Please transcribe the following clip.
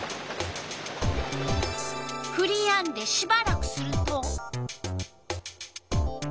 ふりやんでしばらくすると。